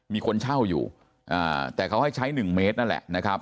มีคนเช่าอยู่แต่เขาให้ใช้๑เมตรนั่นแหละนะครับ